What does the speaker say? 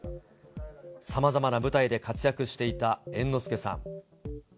さまざまな舞台で活躍していた猿之助さん。